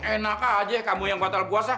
enak aja kamu yang batal puasa